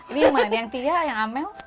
ini mana yang tiga yang amel